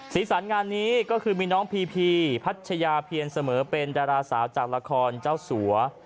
สีสันงานนี้ก็คือมีน้องพีพีพัชยาเพียรเสมอเป็นดาราสาวจากละครเจ้าสัว